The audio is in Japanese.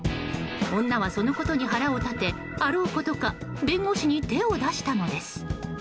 女はそのことに腹を立てあろうことか弁護士に手を出したのです。